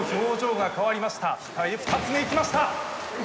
２つ目いきました、